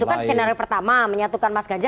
itu kan skenario pertama menyatukan mas ganjar